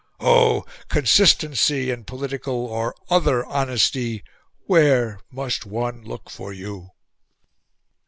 Oh, consistency and political or OTHER HONESTY, where must one look for you!"